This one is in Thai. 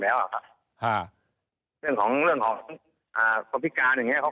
แล้วอ่ะครับอ่าเรื่องของเรื่องของอ่าคนพิการอย่างเงี้เขา